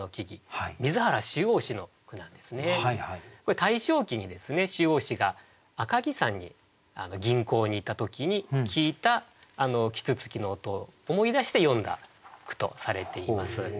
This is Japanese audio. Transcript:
これ大正期に秋櫻子が赤城山に吟行に行った時に聞いた啄木鳥の音を思い出して詠んだ句とされています。